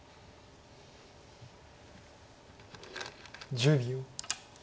１０秒。